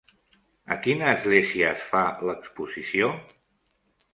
A quina església es fa l'exposició?